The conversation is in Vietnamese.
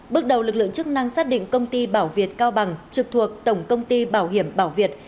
bước đầu lực lượng chức năng xác định công ty bảo việt cao bằng trực thuộc tổng công ty bảo hiểm bảo việt